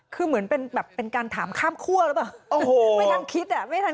คือเหมือนเป็นการถามข้ามขั้วหรือเปล่าไม่ทันคิด